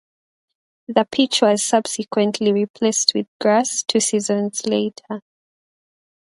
The pitch was subsequently replaced with grass two seasons later.